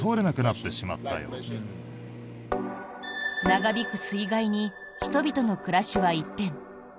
長引く水害に人々の暮らしは一変。